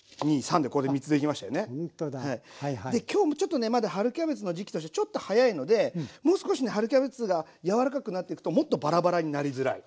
今日ちょっとねまだ春キャベツの時期としてちょっと早いのでもう少しね春キャベツが柔らかくなっていくともっとバラバラになりづらい。